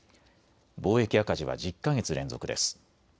貿易赤字は１０か月連続です。